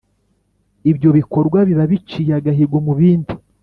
ibyo bikorwa biba biciye agahigo mubindi